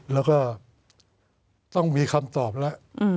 แล้วก็ต้องมีคำตอบแล้ว